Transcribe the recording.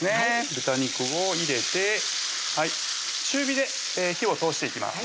豚肉を入れて中火で火を通していきます